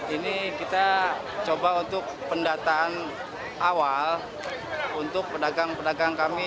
ini kita coba untuk pendataan awal untuk pedagang pedagang kami